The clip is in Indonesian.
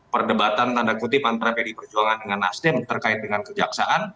perdebatan tanda kutip antara pdi perjuangan dengan nasdem terkait dengan kejaksaan